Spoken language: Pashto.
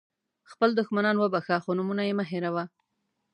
خپل دښمنان وبخښه خو نومونه یې مه هېروه.